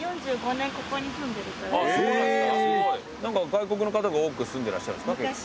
外国の方が多く住んでらっしゃるんですか？